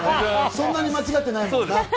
そんなに間違ってないですよね。